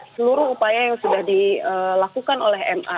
seluruh upaya yang sudah dilakukan oleh ma